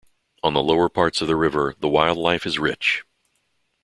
On the lower parts of the river the wildlife is rich.